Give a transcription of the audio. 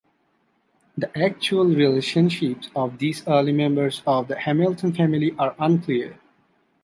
The actual relationships of these early members of the Hamilton family are unclear.